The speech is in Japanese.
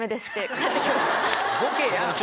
ボケやん。